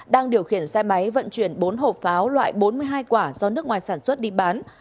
đang điều khiển xe máy vận chuyển bốn hộp pháo loại bốn mươi hai quả do nước ngoài sản xuất đi bán